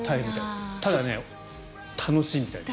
ただ、楽しいみたいです。